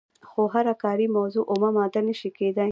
خو هره کاري موضوع اومه ماده نشي کیدای.